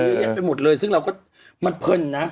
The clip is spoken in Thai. อย่างนี้ไปหมดเลยซึ่งเราก็มันเพิ่นนะ